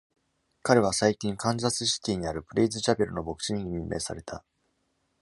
彼は最近、カンザスシティーにある Praise Chapel の牧師に任命された。